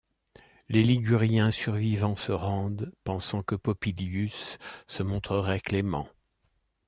Les Liguriens survivants se rendent, pensant que Popillius se montrerait clément.